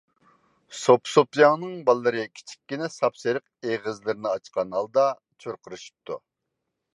سوپىسوپىياڭنىڭ بالىلىرى كىچىككىنە ساپسېرىق ئېغىزلىرىنى ئاچقان ھالدا چۇرقىرىشىپتۇ.